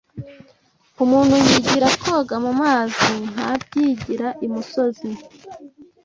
Umuntu yigira koga mu mazi, ntabyigira imusozi